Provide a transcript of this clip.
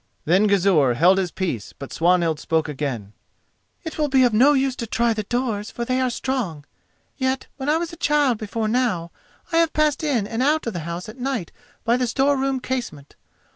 Then Gizur held his peace; but Swanhild spoke again: "It will be of no use to try the doors, for they are strong. Yet when I was a child before now I have passed in and out the house at night by the store room casement.